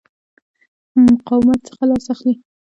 مقاومته څخه لاس اخلي.